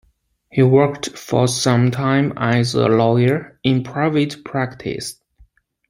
He worked for some time as a lawyer in private practice.